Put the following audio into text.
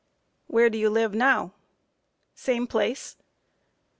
Q. Where do you live now? A. Same place.